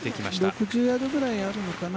６０ヤードくらいあるのかな